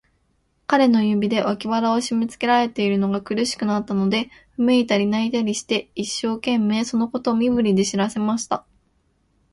彼の指で、脇腹をしめつけられているのが苦しくなったので、うめいたり、泣いたりして、一生懸命、そのことを身振りで知らせました。